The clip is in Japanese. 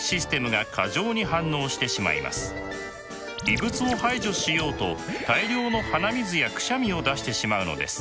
異物を排除しようと大量の鼻水やくしゃみを出してしまうのです。